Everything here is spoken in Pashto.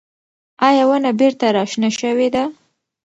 ایا ونه بېرته راشنه شوې ده؟